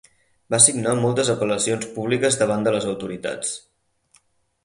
Va signar moltes apel·lacions públiques davant de les autoritats.